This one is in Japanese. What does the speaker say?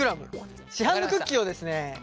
市販のクッキーをですね